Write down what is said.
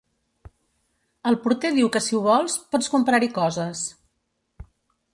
El porter diu que si ho vols, pots comprar-hi coses.